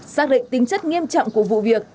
xác định tính chất nghiêm trọng của vụ việc